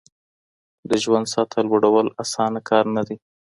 د ژوند سطحه لوړول اسانه کار نه دی.